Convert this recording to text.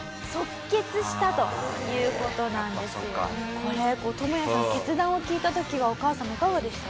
これトモヤさんの決断を聞いた時はお母様いかがでした？